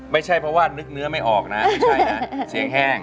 ไม่ใช่เพราะว่านึกเนื้อไม่ออกนะไม่ใช่นะเสียงแห้ง